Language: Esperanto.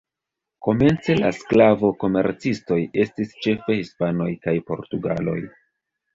Komence la sklavo-komercistoj estis ĉefe hispanoj kaj portugaloj.